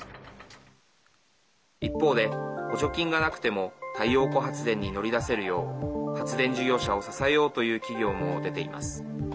一方で補助金がなくても太陽光発電に乗り出せるよう発電事業者を支えようという企業も出ています。